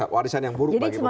warisan yang buruk bagi mereka